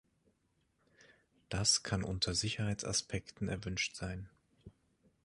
Das kann unter Sicherheitsaspekten erwünscht sein.